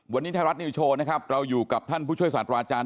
วันนี้ไทยรัฐนิวโชว์นะครับเราอยู่กับท่านผู้ช่วยศาสตราจารย